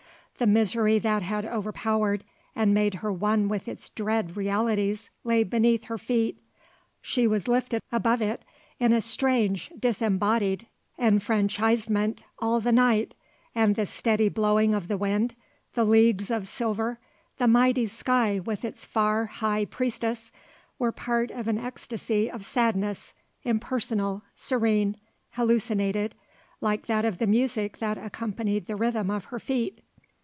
The misery that had overpowered and made her one with its dread realities lay beneath her feet. She was lifted above it in a strange, disembodied enfranchisement all the night, and the steady blowing of the wind, the leagues of silver, the mighty sky with its far, high priestess, were part of an ecstasy of sadness, impersonal, serene, hallucinated, like that of the music that accompanied the rhythm of her feet.